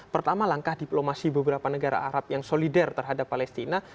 pertama langkah diplomasi beberapa negara arab yang solidar terhadap palestina